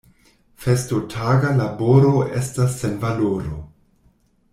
Festotaga laboro estas sen valoro.